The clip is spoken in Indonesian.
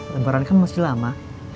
lebaran kan masih lama